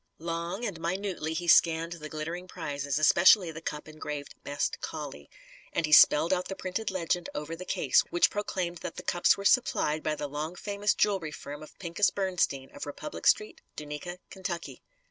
Long and minutely he scanned the glittering prizes, especially the cup engraved "Best Collie." And he spelled out the printed legend over the case which proclaimed that the cups were supplied by the long famous jewellery firm of Pinkus Bernstein, of Republic Street, Duneka, Kentucky.